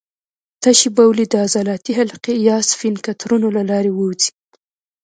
تشې بولې د عضلاتي حلقې یا سفینکترونو له لارې ووځي.